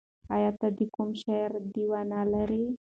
ایا ته د کوم شاعر دیوان لرې؟